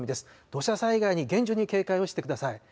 土砂災害に厳重に警戒をしてください。